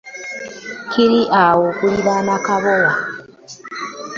Kiri awo okuliraana Kabowa.